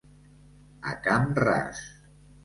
A camp ras.